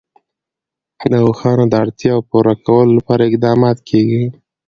د اوښانو د اړتیاوو پوره کولو لپاره اقدامات کېږي.